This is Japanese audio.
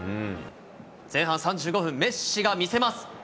前半３５分、メッシが見せます。